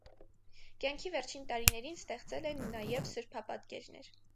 Կյանքի վերջին տարիներին ստեղծել է նաև սրբապատկերներ։